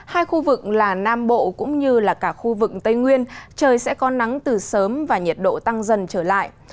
hai khu vực là nam bộ cũng như là cả khu vực tây nguyên trời sẽ có nắng từ sớm và nhiệt độ tăng dần trở lại